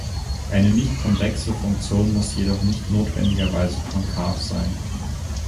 Eine nicht-konvexe Funktion muss jedoch nicht notwendigerweise konkav sein.